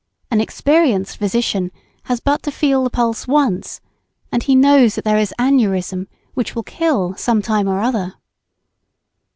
An experienced physician has but to feel the pulse once, and he knows that there is aneurism which will kill some time or other.